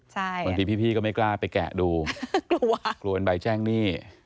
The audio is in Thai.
บางทีพี่ก็ไม่กล้าไปแกะดูกลัวกลัวเป็นใบแจ้งหนี้